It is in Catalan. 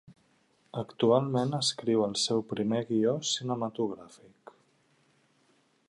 Actualment escriu el seu primer guió cinematogràfic.